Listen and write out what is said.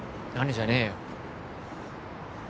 じゃねえよ